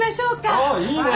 あっいいね。